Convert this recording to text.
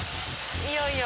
いよいよ。